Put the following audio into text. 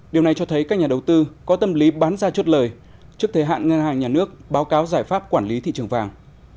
điều này cho thấy các nhà đầu tư có tâm lý bán ra chốt lời trước thời hạn ngân hàng nhà nước báo cáo giải pháp quản lý thị trường vàng